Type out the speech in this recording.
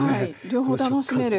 両方楽しめる。